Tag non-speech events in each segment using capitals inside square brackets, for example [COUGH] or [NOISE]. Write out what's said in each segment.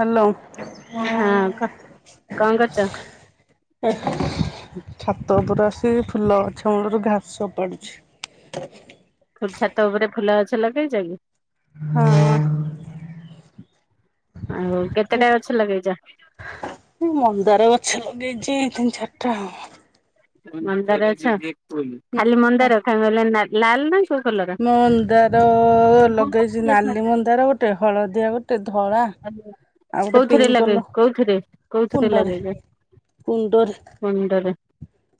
Hello ହଁ କ କଣ କରୁଛ ଏ ଛାତ ଉପରେ ଆସି ଫୁଲ ଗଛ ମୂଳରୁ ଘାସ ଉପାଡୁଛି। ଫୁଲ ଛାତ ଉପରେ ଫୁଲ ଗଛ ଲଗେଇଛ କି? ଆଉ କେତେଟା ଗଛ ଲଗେଇଛ? ଏ ମନ୍ଦାର ଗଛ ଲଗେଇଛି ତିନି ଚାରିଟା ଆଉ। ମନ୍ଦାର ଗଛ ଖାଲି ହଁ ମନ୍ଦାର କ ଲାଲ ନା କୋଉ କଲର ମନ୍ଦାର ଲଗେଇଛି ନାଲି ମନ୍ଦାର ଗୋଟେ ହଳଦିଆ ଗୋଟେ ଧଳା ଆଉ ଗୋଟେ କୋଉଥିରେ ପିଙ୍କ ଲଗେଇ କଲର କୋଉଥିରେ କୋଉଥିରେ କୁଣ୍ଡରେ ଲଗେଇଲେ? କୁଣ୍ଡରେ।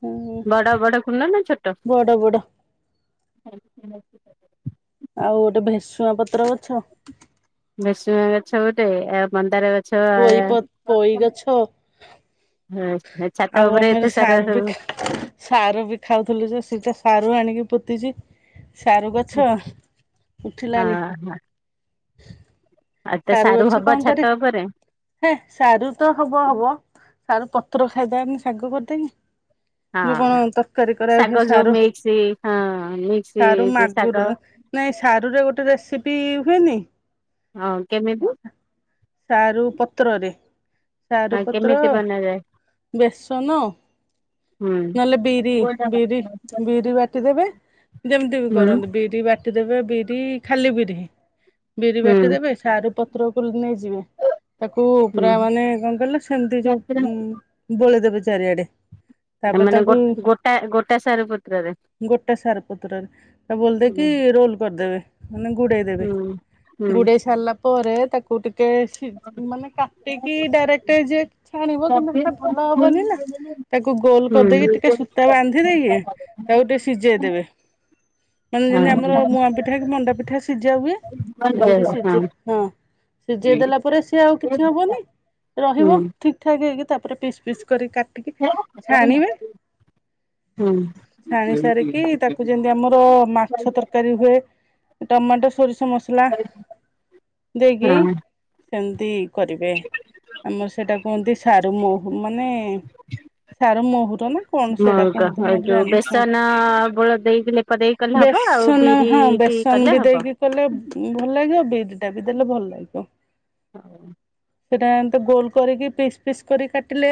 ଉଁ ବଡ଼ ବଡ଼ କୁଣ୍ଡ ନା ଛୋଟ? ବଡ ବଡ ଆଉ ଗୋଟେ ଭେସୁଆ ପତ୍ର ଗଛ। ଭେସୁଆ ଗଛ ଗୋଟେ ଆ ମନ୍ଦାର ଗଛ ପୋଇ ପ ପୋଇ ଗଛ ହଁ ଛାତ ଆଉ ଉପରେ ଆମର ଏତେ ସାରୁ ବି ସାରାସବୁ ସାରୁ ବି ଖାଉଥିଲୁ ଯେ ସିଟା ଶାରୁ ଆଣିକି ପୋତିଛି। ସାରୁ ହଁ ଗଛ ଉଠିଲାନି। ହଁ ଆଉ ତ ସାରୁ ଗଛ ହବ କଣ କରେ ଛାତ ଉପରେ? ହେ ସାରୁ ତ ହବ ହବ ସାରୁ ପତ୍ର ଖାଇବାନି ଶାଗ କରିଦେଇକି। ଯୋଉ ହଁ କଣ ତରକାରୀ ଶାଗ କରାହୁଏ ଯୋଉ ସାରୁ ମିକ୍ସ ହଁ ମିକ୍ସ ସାରୁ ଯୋଉ ଶାଗ ମାଗୁର ନାଇଁ ସାରୁରେ ଗୋଟେ ରେସିପି ହୁଏନି। ହଁ କେମିତି? ସାରୁ ପତ୍ରରେ। ହଁ ସାରୁପତ୍ର, କେମିତି ବନାଯାଏ ବେସନ ହୁଁ। ନହେଲେ ବିରି ବିରି ବିରି ବାଟି ଦେବେ ଯେମିତି ବି ହୁଁ କରନ୍ତି ବିରି ବାଟିଦେବେ ବିରି ଖାଲି ବିରି ବିରି ହୁଁ ବାଟିଦେବେ। ସାରୁ ପତ୍ରକୁ ନେଇଯିବେ। ତାକୁ ହୁଁ। ପୁରା ମାନେ କଣ କହିଲ ସେମିତି ଯୋଉ ଉ ଗୋଳେଇଦେବେ ଚାରିଆଡେ। ଏ ତାପରେ ମାନେ ତାକୁ ଗୋ ଗୋଟା ଗୋଟା ସାରୁ ପତ୍ରରେ ଗୋଟା ସାରୁ ପତ୍ରରେ ତା ବୋଳି ହୁଁ ଦେଇକି ରୋଲ କରିଦେବେ। ମାନେ ଗୁଡେଇ ଦେବେ ହୁଁ। ହୁଁ। ହୁଁ। ଗୁଡେଇ ସାରିଲା ପରେ ତାକୁ ଟିକେ ସି ମାନେ କାଟିକି ଡାଇରେକ୍ଟ ଯିଏ ଛାଣିବ କିନ୍ତୁ ହେତେ ଭଲ ହବନି ନା ତାକୁ ଗୋଲ କରିଦେଇକି ଟିକେ ସୂତା ବାନ୍ଧି ଦେଇକି ତାକୁ ଟିକେ ସିଝେଇଦବେ। ମାନେ ଯେମିତି ଆମର ମୁଆଁ ପିଠା କି ମଣ୍ଡା ପିଠା ସିଝା ହୁଏ। ସେମିତି ଜାଣିପାଇଲ ହଁ। ସିଝେ ହଁ ସିଜେଇ ଦେଲା ପରେ ସିଏ ଆଉ କିଛି ହବନି ରହିବ ଠିକ୍ ଠାକ୍ ହେଇକି ତାପରେ ପିସ୍ ପିସ୍ କରିକି କା ଟିକି ଛାଣିବେ ଛାଣି ସାରିକି ତାକ୍ ତାକୁ ଯେମିତି ଆମର ମାଛ ତରକାରୀ ହୁଏ ଟମାଟୋ ସୋରିଷ ମସଲା ଦେଇକି ହୁଁ। ସେମିତି କରିବେ ଆମର ସେଇଟା କୁହନ୍ତି ସାରୁ ମହୁ ମାନେ ସାରୁ ମହୁର ନା? କଣ ସେଇଟା ମଉକା କୁହନ୍ତୁ ତ ଆଉ ମୋର ଯୋଉ ଜାଣିନି ହଁ ବେସନ ବୋଳ ଦେଇକି ଲେପ ଦେଇ କଲେ ହବ ଆଉ ବେସନ ବିରି ହଁ ବେସ ସନ କଲେ ବି ହବ। ଦେଇକି କଲେ ଭଲ ଲାଗିବ ବିରିଟା ବି ଦେଲେ ଭଲ ଲାଗିବ। ସେଇଟା ଏମତି ଗୋଲ କରିକି ପିସ୍ ପିସ୍ କରି କାଟିଲେ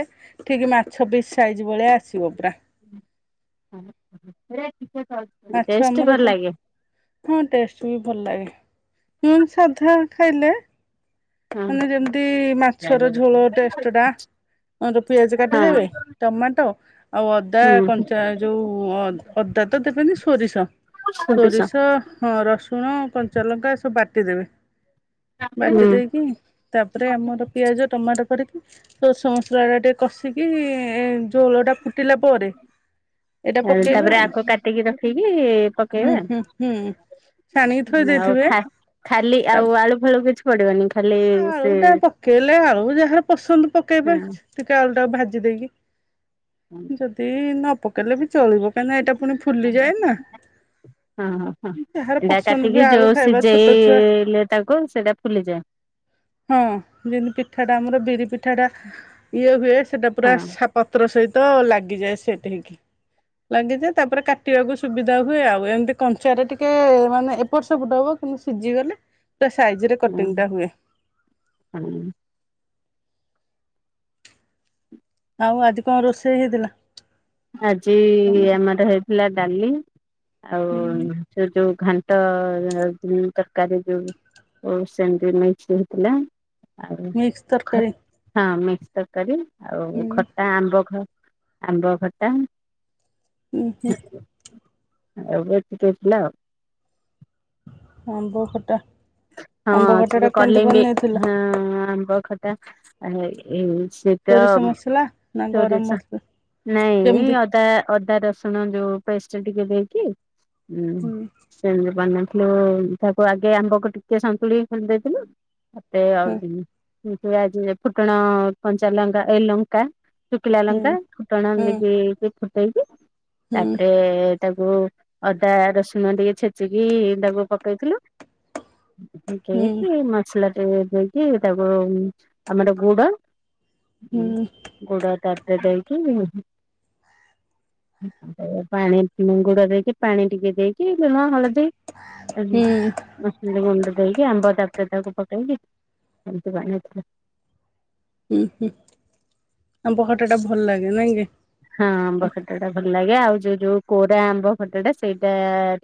ଠିକ୍ ମାଛ ପିସ୍ ସାଇଜ ଭଳିଆ ଆସିବ ପୁରା। ମାଛ ଆମର ଟେଷ୍ଟ ଭଲ ଯେ ଲାଗେ। ହଁ ଟେଷ୍ଟ ବି ଭଲ ଲାଗେ [INAUDIBLE] ସାଧା ଖାଇଲେ ହଁ ମାନେ ଯେମିତି ମାଛର ଝୋଳ ଟେଷ୍ଟ ଟା। ଆମର ପିଆଜ ହଁ। କାଟିଦେବେ ଟମାଟୋ ଆଉ ଅଦା ହୁଁ କଞ୍ଚା ଯୋଉ ଅ ଅଦା ତ ଦେବେନି ସୋରିଷ ହୁଁ ସୋରିଷ ହଁ ରସୁଣ କଞ୍ଚାଲଙ୍କା ଏ ସବୁ ବାଟିଦେବେ ବାଟି ଦେଇକି ତାପରେ ଆମର ପିଆଜ ଟମାଟୋ ପଡିକି ସୋରିଷ ମସଲାଟା ଟିକେ କଷିକି ଏଁ ଝୋଲ ଟା ଫୁଟିଲା ପରେ ଏଇଟା ଆଉ ପକେଇବେ ତାପରେ ଆକୁ କାଟିକି ରଖିକି ହୁଁ ହୁଁ ହୁଁ ଛାଣିକି ଥୋଇ ପକେଇବେ। ଆଉ ଦେଇଥିବେ ଖା ଖାଲି ତା ଆଉ ଆଳୁ ଫାଳୁ କିଛି ପଡିବନି ଖାଲି ଆଳୁ ସେ ଟା ପକେଇଲେ ଆଳୁ ଯାହାର ପସନ୍ଦ ହଁ ପକେଇବେ ଟିକେ ଆଳୁ ଟାକୁ ଭାଜି ଦେଇକି। ହଁ ଯଦି ନ ପକେଇଲେ ବି ଚଳିବ କାଇଁ ନା ଏଟା ଫୁଣି ଫୁଲିଯାଏ ନା। ହଁ ହଁ। ଯାହାର ଏଇଟା ପସନ୍ଦ କାଟିକି ବି ଯୋଉ ଆଳୁ ଖାଇବା ଛୋଟ ଛୁଆ ସିଝେଇଲେ ତାକୁ ସେଟା ଫୁଲିଯାଏ। ହଁ ଯେମିତି ପିଠା ଟା ଆମର ବିରି ପିଠା ଟା ଇଏ ହୁଏ ସେଟା ହଁ ପୁରା ସାପ୍ ପତ୍ର ସହିତ ଲାଗିଯାଏ ସେଟେ ହେଇକି। ଲାଗିଯାଏ ତାପରେ କାଟିବାକୁ ସୁବିଧା ହୁଏ ଆଉ ଏମିତି କଞ୍ଚା ରେ ଟିକେ ମାନେ ଏପଟ ସେପଟ ହବ। ପୁ ସିଜି ଗଲେ ପୁରା ସାଇଜରେ ହଁ। କଟିଂ ଟା ହୁଏ। [UNINTELLIGIBLE] ଆଉ ଆଜି କଣ ରୋଷେଇ ହେଇଥିଲା! ଆଜି ତମର? ଆମର ହେଇଥିଲା ଡାଲି ଆଉ ହୁଁ ସେ ଯୋଉ ଘାଣ୍ଟ ତରକାରୀ ଯୋଉ ଓଉ ସେମିତି ମିକ୍ସ ହେଇଥିଲା। ଆଉ ମିକ୍ସ ଖ ତରକାରୀ ଟା ମିକ୍ସ ତରକାରୀ ଆଉ ହୁଁ ଖଟା ଆମ୍ବ ଖ ଆମ୍ବ ଖଟା ହୁଁ ହୁଁ ଆଉ ଏତିକି ହେଇଥିଲା ଆଉ। ଅମ୍ବ ଖଟା। ହଁ ଆମ୍ବ ଖଟା ସେ ଟା ଯୋଉ କେମିତି କଲିମ୍ବି ବନେଇଥିଲ ହଁ ଆମ୍ବ ଖଟା [UNINTELLIGIBLE] ଯ ସୋରିଷ ମସଲା ନା ଗରମ ସୋରିଷ ମସଲା ନାଇଁ ଯେମିତି ଅଦା ଅଦା ରସ ରସୁଣ ଯୋଉ ପେଷ୍ଟ ଟିକେ ଦେଇକି ହୁଁ। ହୁଁ ସେମିତି ବନେଇଥିଲୁ ତାକୁ ଆଗେ ଆମ୍ବକୁ ଟିକେ ସନ୍ତୁଳିକି ପାଣି ଦେଇଥିଲୁ। ହୁଁ [UNINTELLIGIBLE] ଫୁଟଣ କଞ୍ଚା ଲଙ୍କା ଏ ଲଙ୍କ୍ ଙ୍କା ଶୁଖିଲା ହୁଁ ଲଙ୍କା ଫୁଟଣ ହୁଁ ନେଇକି ଫୁଟେଇକି ହୁଁ ତାପରେ ତାକୁ ଅଦା ରସୁଣ ଟିକେ ଛେଚିକି ତାକୁ ପକେଇଥିଲୁ। ହୁଁ କି ମସଲା ଟେ ଦେଇକି ତାକୁ ଆମର ଗୁଡ। ହୁଁ ହଁ ହୁଁ ଗୁଡା ତାଟ ଦେଇକି। ପାଣିଗୁଡ ଦେଇକି ପାଣି ଟିକେ ଦେଇକି ଲୁଣ, ହଳଦୀ ହୁଁ ଲୁଣଗୁଣ୍ଡ ଦେଇକି ଆମ୍ବ ଡାକ୍ଟର ତାକୁ ପକେଇକି ଏମତି [UNINTELLIGIBLE] ହୁଁ ହୁଁ ଆମ୍ବଖଟା ଟା ଭଲ ଲାଗେ ନାଇଁ କି? ହଁ ଆମ୍ବ ଖଟା ଟା ଭଲ ଲାଗେ ଆଉ ଯୋଉ ଯୋଉ କୋରା ଆମ୍ବ ଖଟା ସେଇଟା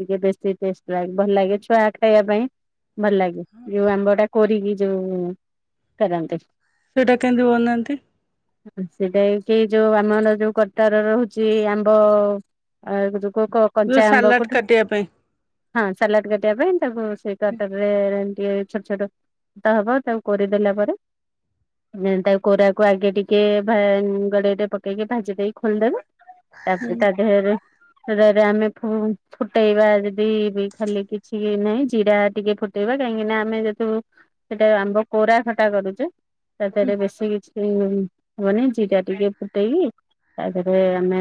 ଟିକେ ବେଶୀ ଟେଷ୍ଟି ଟେଷ୍ଟି ଭଲ ଲାଗେ ଛୁଆ ଖାଇବା ପାଇଁ ଭଲ ଲାଗେ। ଯୋଉ ଆମ୍ବ ଟା କରିକି ଯୋଉ କରନ୍ତି। ସେଇଟା କେମିତି ବନାହାଁନ୍ତି। ସେଇଟା କି ଯୋଉ ଆମର ଯୋଉ କଟାର ରହୁଛି ଆମ୍ବ ଯ କ ଯୋଉ କଞ୍ଚା ଆମ୍ବ ସାଲାଡ କୋଉଠୁ। କାଟିବା ପାଇଁ ହଁ ସାଲାଡ କାଟିବା ପାଇଁ ତାକୁ ସ କଟର ରେ ଏ ଛୋଟ ଛୋଟ ହବ ତାକୁ କରିଦେଲା ପରେ। ତା କୋରାକୁ ଆଗେ ଟିକେ କଡେଇରେ ପକେଇକି ଭାଜି ଦେଇ ଖୋଲିଦେବେ ହୁଁ ତାପରେ ତା ଦେହରେ ଆମେ ଫୁଟେଇବା ଯଦି ଖାଲି କିଛି ନାହିଁ ଜିରା ଟିକେ ଫୁଟେଇବା କାହିଁକି ନା ଆମେ ଯେତୁ ସେଟା ଆମ୍ବ କୋରା ଖଟା କରୁଛୁ। [UNINTELLIGIBLE] ବେଶୀ କିଛି ହବନି ଜିରା ଟିକେ ଫୁଟେଇକି ତାପରେ ଆମେ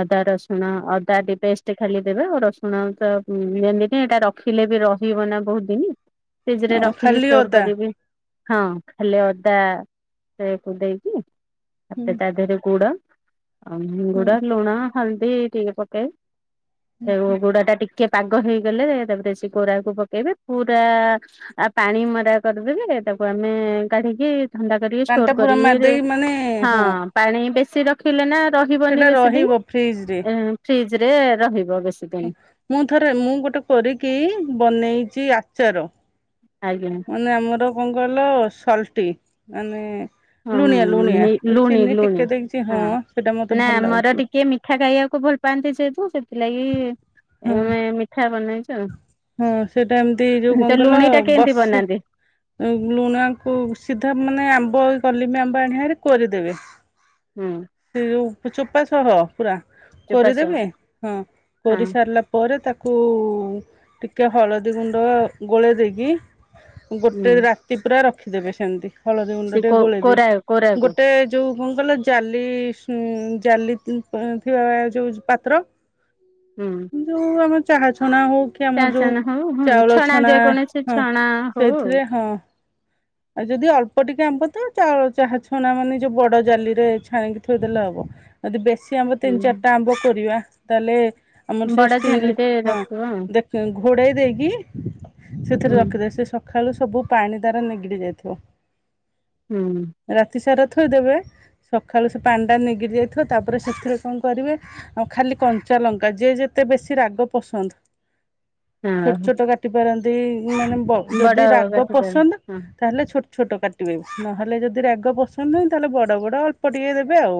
ଅଦା ରସୁଣ ଅଦା ପେଷ୍ଟ ଖାଲି ଦେବେ ଆଉ ରସୁଣ ତ ହୁଁ ଏମିତି ଏଇଟା ରଖିଲେ ବି ରହିବ ନା ବହୁତ ଦିନ ଫ୍ରିଜ ହଁ ରେ ରଖିକି ଖାଲି ଷ୍ଟୋର ଅଦା କରିକି। ହଁ ଖାଲି ଅଦା ପେଷ୍ଟକୁ ଦେଇକି ହୁଁ ତାପରେ ତା ଦେହରେ ଗୁଡ ଆଉ ମୁ ହୁଁ ଗୁଡ ଲୁଣ ହଳଦୀ ଟିକେ ପକେଇ ସେ ଗୁଡା ଟା ଟିକେ- ଟିକେ ପାଗ ହେଇଗଲେ ତାପରେ ସେ କୋରାକୁ ପକେଇବେ ପୁରା ଆଉ ପାଣି ମରା କରିଦେଲେ ତାକୁ ଆମେ କାଢିକି ଥଣ୍ଡା କରିବି ଷ୍ଟୋର ପାଣିଟା ପୁରା କରିବି ମାରିଦେଇ ମାନେ ହଁ ପାଣି ବେଶୀ ରଖ ରିଲେ ନା ରହିବନି ସେଟା ବେଶୀ ଦିନ ରହିବ ଫ୍ରିଜରେ ଫ୍ରିଜ ରେ ରହିବ ବେ ମୁଁ ଥରେ ମୁଁ ଗୋଟେ କରିକି ବନେଇଛି ଆଚାର। ଆଜ୍ଞା ମାନେ ଆମର କଣ କହିଲ ସଲ୍ଟି ମାନେ ଲୁଣିଆ ହଁ ଲୁଣିଆ ଲୁଣି ଚିନି ଲୁଣି ଟିକେ ଦେଇଛି ହଁ ସେଇଟା ମତେ ଭଲ ଲାଗୁଛି। କିଏ ମିଠା ଖାଇବାକୁ ଭଲ ପାଆନ୍ତି ଯେହେତୁ ସେଥିଲାଗି ହଁ ମିଠା ବନେଏ। ହଁ ସେଇଟା ଏମିତି ଯୋଉ କଣ ତ କଲ ଲୁଣି ଟା କେମିତି ବସି ବନାନ୍ତି? ଲୁଣକୁ ସିଧା ମାନେ ଆମ୍ବ କଲିମି ଆମ୍ବ ଆଣିବାରେ କରିଦେବେ। ହୁଁ ସେ ଯେଉଁ ଚୋପା ସହ ପୁରା ଚୋପା ସହ କରିଦେବେ ହଁ ହଁ କରିସାରିଲା ପରେ ତାକୁ ଟିକଏ ହଳଦୀ ଗୁଣ୍ଡ ଗୋଳେଇ ଦେଇକି ହୁଁ ଗୋଟେ ରାତି ପୁରା ରଖିଦେବେ ସେମିତି ହଳଦୀ ସେ ଗୁଣ୍ଡ ଟିକେ କୋ ଗୋଳେଇ କୋରା ଦେଇକି କୋରାକୁ ଗୋଟେ ଯୋଉଣଙ୍କର ଜା [UNINTELLIGIBLE] ଜାଲି ଥିବା ଯୋଉ ପାତ୍ର। ହୁଁ ଯୋଉ ଆମର ଚାହା ଛଣା ହଉ କି ଚା ଆମର ଯେଉ ଛଣା ହଉ ହୁଁ ଚାଉଳ ଛଣା ଯେକୌଣସି ହଁ ଛଣା ହଉ ସେଇଥିରେ ହଁ ଆଉ ଯଦି ଅଳ୍ପ ଟିକେ ଆମ୍ବ ତ ଚାହା ଛଣା ନା ମାନେ ଯୋଉ ବଡ ଜାଲି ରେ ଛାଣିକି ଥୋଇଦେଲେ ହବ। ଯଦି ବେଶୀ ଆମ୍ବ ହୁଁ ତିନି ଚାରିଟା ଆମ୍ବ କରିବା ତାହେଲେ ଆମର ସେ ବଡ ଷ୍ଟିଲ ଛାନିରେ ହଁ ରଖିବ ଆଉ ଦେଖ ଘୋଡ଼ାଇ ଦେଇକି ସେଥିରେ ହୁଁ ରଖିଦଏ ସେ ସକାଳୁ ସବୁ ପାଣି ଦାର ନେଇି କି ଯାଇଥଉ। ହୁଁ। ରାତି ସାରା ଥୋଇ ଦେବେ ସକାଳୁ ସେ ପାଣିଟା ନିଗିରି ଯାଇଥିବ ତାପରେ ସେଥିରେ କଣ କରିବେ ଆଉ ଖାଲି କଞ୍ଚାଲଙ୍କା ଯିଏ ଯେତେ ବେଶୀ ରାଗ ପସନ୍ଦ ଛୋଟ ହଁ ଛୋଟ କାଟି ପାରନ୍ତି ମାନେ ବଡ ଯଦି ରାଗ କାଠିଟାରେ ପସନ୍ଦ ହଁ ତାହେଲେ ଛୋଟ ଛୋଟ କାଟିବେ ନହେଲେ ଯଦି ରାଗ ପସନ୍ଦ ନାୁଁ ତାହେଲେ ବଡ଼ ବଡ଼ ଅଳ୍ପ ଟିକେ ଦେବେ ଆଉ।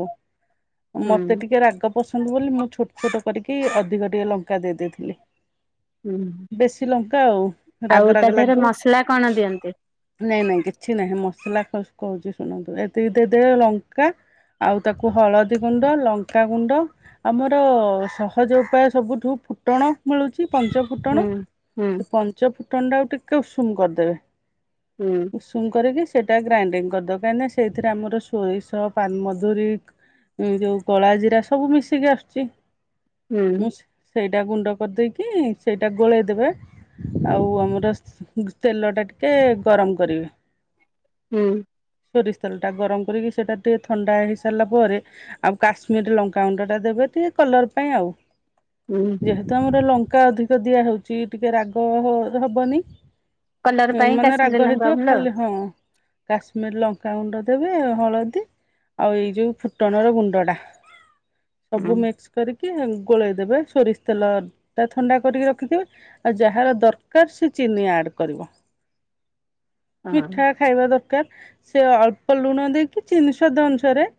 [UNINTELLIGIBLE] ମୋତେ ହୁଁ ଟିକେ ରାଗ ପସନ୍ଦ ବୋଲି ମୁଁ ଛୋଟ ଛୋଟ କରିକି ଅଧିକ ଟିକେ ଲଙ୍କା ଦେଇ ଦେଇେଇଥିଲି। ହୁଁ ବେଶୀ ଲଙ୍କା ଆଉ ରାଗ ରାଗ ଲାଗିବ। ପା କଣ ଦିଅନ୍ତି। ନାଇଁ ନାଇଁ କିଛି ନାହିଁ ମସଲା କହୁଛି ଶୁଣନ୍ତୁ ଏତିକି ଦେ ଲଙ୍କା ଆଉ ତାକୁ ହଳଦୀ ଗୁଣ୍ଡ ଲଙ୍କାଗୁଣ୍ଡ ଆମର ସହଜ ଉପାୟ ସବୁଠୁ ଫୁଟଣ ମିଳୁଛି ପଞ୍ଚ ହୁଁ ଫୁଟଣ ହୁଁ ସେ ପଞ୍ଚ ଫୁଟଣଟା ଆଉ ଟିକେ ଉଷୁମ କରିଦେବେ। ହୁଁ। ଉଷୁମ କରିକି ସେଇଟା ଗ୍ରାଇଣ୍ଡିଙ୍ଗ କରିଦେଉ କାହିଁକିନା ସେଥିରେ ଆମର ସୋରିଷ ପାନମଧୁରୀ ଯୋଉ କଳା ଜିରା ସବୁ ମିଶିକି ଆସୁଛି ହୁଁ ମୁଁ ସେଇଟା ଗୁଣ୍ଡ କରିଦେଇକି ସେଇଟା ଗୋଳେଇଦବେ। ଆଉ ଆମର ତେଲ ଟା ଟିକେ ଗରମ କରିବେ। ହୁଁ। ସୋରିଷ ତେଲଟା ଗରମ କରିକି ସେଇଟା ଟିକଏ ଥଣ୍ଡା ହେଇସାରିଲା ପରେ ଆଉ କାଶ୍ମୀରରେ ଲଙ୍କାଣ୍ଡା ଟା ଦେବେ ଟିକେ କଲର ପାଇଁ ଆଉ। ହୁଁ। ଯେହେତୁ ଆମର ଲଙ୍କା ଅଧିକ ଦିଆହଉଛି ଟିକେ ରାଗ ହବନି। କଲର ପାଇଁ ମାନେ କାଶ ରାଗ ଲଙ୍କା ହେଇଥିବ ଭଲ ଆଉ। ଖାଲି ହଁ କାଶ୍ମୀର ଲଙ୍କାଗୁଣ୍ଡ ଦେବେ ହଳଦୀ ଆଉ ଏଇ ଯୋଉ ଫୁଟଣ ର ଗୁଣ୍ଡ ଟା ହୁଁ ସବୁ ମିକ୍ସ କରିକି ଗୋଳେଇଦବେ ସୋରିଷ ତେଲ ଟା ଥଣ୍ଡା କରିକି ରଖିଥିବେ। ଆଉ ଯାହାର ଦରକାର ସେ ଚିନି ଆଡ କରିବ। ହଁ ମିଠା ଖାଇବା ଦରକାର ସେ ଅଳ୍ପ ଲୁଣ ଦେଇକି ଜିନି ସାଦ ଅନୁସାରେ।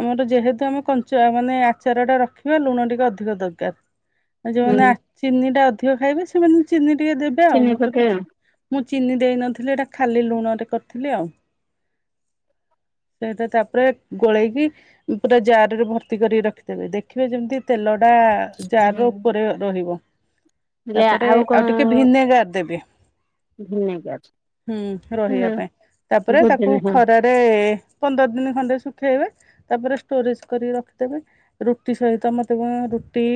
ଆମର ଯେହେତୁ ଆମେ କଞ୍ଚ ମାନେ ଆଚାର ଟା ରଖିବା ଲୁଣ ଟିକେ ଅଧିକ ଦରକାର। ଆଉ ହୁଁ ଯୋଉମାନେ ଚିନି ଟା ଅଧିକ ଖାଇବେ ସେମାନେ ଚିନି ଟିକେ ଦେବେ ଆଉ ଚିନି ମୁଁ କେତୁ ପକେଇ ଆଉ ମୁଁ ଚିନି ଦେଇନଥିଲି ଏଇଟା ଖାଲି ଲୁଣରେ କରିଥିଲି ଆଉ। ସେଇଟା ତାପରେ ଗୋଳେଇକି। ପୁରା ଜାର ରେ ଭର୍ତି କରି ରଖିଦେବେ ଦେଖିବେ ଯେମିତି ତେଲ ଟା। ଜାର ର ଉପରେ ରହିବ ତାପରେ ଆଉ ଟିକେ ଭିନେଗାର ଦେବେ। ଘିମେ ଗିଛ ହୁଁ ରହିବା ପାଇଁ ତାପରେ ତାକୁ ଭୋଜନ ହଁ ଖରାରେ ପନ୍ଦର ଦିନ ଖଣ୍ଡେ ଶୁଖେଇବେ। ତାପରେ ଷ୍ଟୋରେଜ କରିକି ରଖିଦେବେ। ରୁଟି ସହିତ ମତେ କଣ ରୁଟି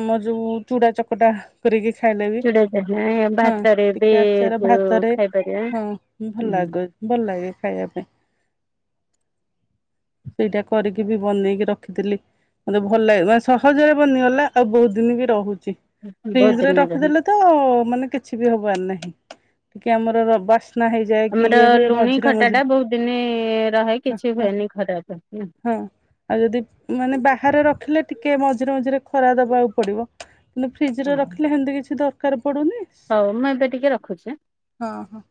ଆମ ଯୋଉ ଚୁଡା ଚକଟା। କରିକି ଖାଇଲେ ବି ଚୁଡା ଯାହା ହଁ ଭାତରେ ବି ଟିକେ ଆଚାର ଯୋଉ ଭାତରେ ଖାଇପାରିବା ହଁ ଭଲ - ହୁଁ ଲାଗେ-ଭଲ- ଲାଗେ ଖାଇବା ପାଇଁ। ସେଇଟା କରିକି ବି ବନେଇକି ରଖିଥିଲି। ମତେ ଭଲ ଲାଗେ ମାନେ ସହଜରେ ବନିଗଲା ଆଉ ବହୁତ ଦିନ ବି ରହୁଛି। ଫ୍ରିଜ ବହୁତ ରେ ଦିନ ରହେ ରଖିଦେଲେ ତ ମାନେ କିଛି ବି ହବାର ନାହିଁ ଟିକେ ଆମର [UNINTELLIGIBLE] ବାସ୍ନା ହେଇଚି। ଆମର ଲୁଣି ଖଟା ଟା ବହୁତ ଦିନେ ରହେ ହଁ କିଛି ହୁଏନି ଖରାପ। ହଁ। ଆଉ ଯଦି ମାନେ ବାହାରେ ରଖିଲେ ଟିକେ ମଝିରେ ମଝିରେ ଖରା ଦବାକୁ ପଡିବ। କିନ୍ତୁ ଫ୍ରିଜରେ ହଁ ରଖିଲେ ହେମିତି କିଛି ଦରକାର ପଡୁନି। ହଉ ମୁଁ ଏବେ ଟିକେ ରଖୁଛି। ହଁ ହଁ।